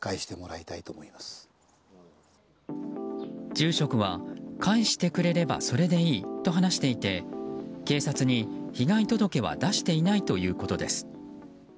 住職は返してくれればそれでいいと話していて警察に被害届は出していないということです。